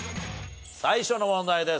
最初の問題です。